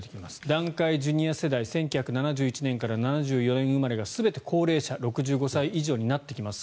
団塊ジュニア世代１９７１年から７４年生まれが全て高齢者６５歳以上になってきます。